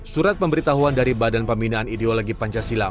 surat pemberitahuan dari badan pembinaan ideologi pancasila